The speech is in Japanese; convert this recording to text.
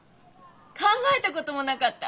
考えたこともなかった。